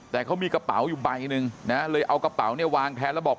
แต่เขามีกระเป๋าอยู่ใบหนึ่งนะเลยเอากระเป๋าเนี่ยวางแทนแล้วบอก